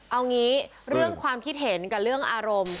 เอางี้เรื่องความคิดเห็นกับเรื่องอารมณ์